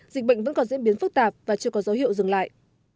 dịch bệnh vẫn còn diễn biến phức tạp và chưa có dấu hiệu dừng lại